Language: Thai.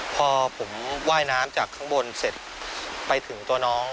พอผมว่ายน้ำจากข้างบนเสร็จไปถึงตัวน้อง